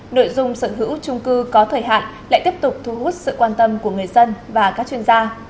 nội dung sở hữu trung cư có thời hạn lại tiếp tục thu hút sự quan tâm của người dân và các chuyên gia